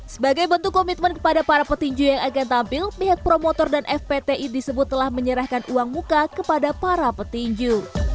sebagai bentuk komitmen kepada para petinju yang akan tampil pihak promotor dan fpti disebut telah menyerahkan uang muka kepada para petinju